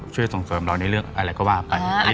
ช่วยส่งเสริมเราในเรื่องอะไรก็ว่าไป